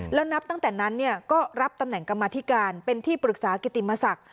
แล้วนับตั้งแต่นั้นก็รับตำแหน่งกรรมธิการเป็นที่ปรึกษากิติมศักดิ์